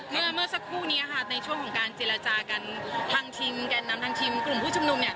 เมื่อเมื่อสักครู่นี้ค่ะในช่วงของการเจรจากันทางทีมแก่นนำทางทีมกลุ่มผู้ชุมนุมเนี่ย